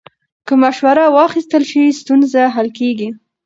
که مشوره واخیستل شي، ستونزه حل کېږي.